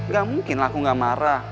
gak mungkin aku gak marah